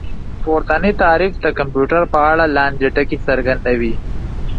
پورتنی تعريف د کمپيوټر په اړه لاندې ټکي څرګندوي